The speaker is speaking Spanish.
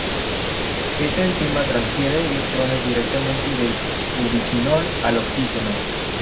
Esta enzima transfiere electrones directamente del ubiquinol al oxígeno.